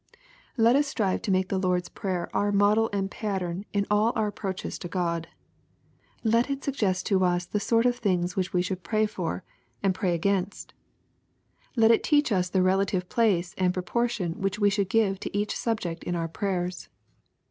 Let us strive to make the Lord's Prayer our model and pattern in all our approaches to God. Let it suggest to us the sort of things which we should pray for and LUKE, CHAP. XI. 7 pray against. Let it teach us the relative place and proportion which we should give to each subject in our prayers.